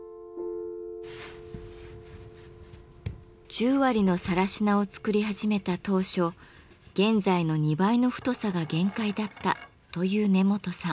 十割の更科を作り始めた当初現在の２倍の太さが限界だったという根本さん。